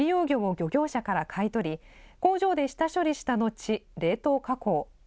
魚を漁業者から買い取り、工場で下処理した後、冷凍加工。